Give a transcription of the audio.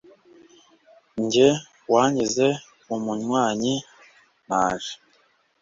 njye wangize umunywanyi, naje